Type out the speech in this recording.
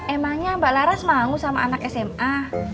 emangnya mbak laras mau sama anak sma